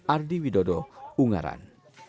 ardi widodo ungaran